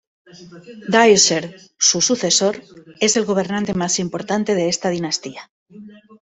Dyeser, su sucesor, es el gobernante más importante de esta dinastía.